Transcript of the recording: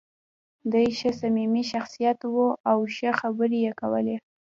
دی ښه صمیمي شخصیت و او ښه خبرې یې کولې.